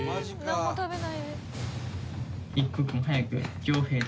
「なんも食べないで」